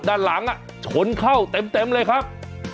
ด้านหลังชนเข้าเต็มเลยครับ